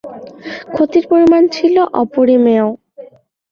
ক্ষতির পরিমাণ ছিল অপরিমেয়।